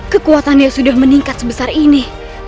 kekuatan dia sudah meningkat sebesar ini